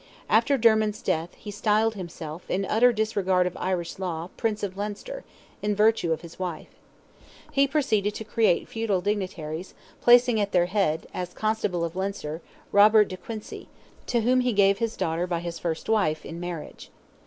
After Dermid's death, he styled himself, in utter disregard of Irish law, "Prince of Leinster," in virtue of his wife. He proceeded to create feudal dignitaries, placing at their head, as Constable of Leinster, Robert de Quincy, to whom he gave his daughter, by his first wife, in marriage.